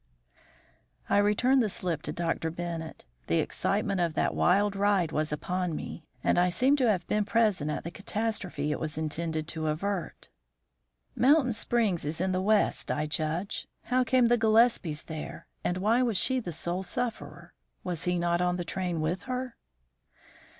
I returned the slip to Dr. Bennett. The excitement of that wild ride was upon me, and I seemed to have been present at the catastrophe it was intended to avert. "Mountain Springs is in the West, I judge. How came the Gillespies there, and why was she the sole sufferer? Was he not on the train with her?"